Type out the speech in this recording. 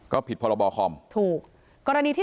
ก็ผิดภาระบอคอมถูก